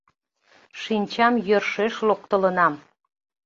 Шинчам йӧршеш локтылынам.